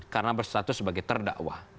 karena bersatu sebagai terdakwah